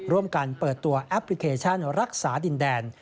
การเปิดตัวแอปพลิเคชันรักษาดินแดน